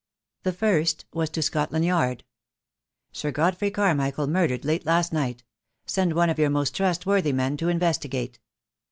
The first was to Scotland Yard: — "Sir Godfrey Carmichael murdered late last night. Send one of your most trustworthy men to investigate."